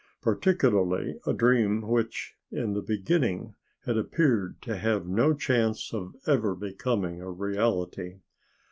Particularly a dream which in the beginning had appeared to have no chance of ever becoming a reality.